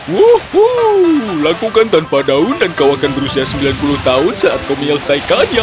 wuh lakukan tanpa daun dan kau akan berusia sembilan puluh tahun saat kau menyelesaikannya